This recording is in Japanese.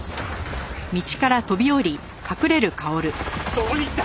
どこに行った？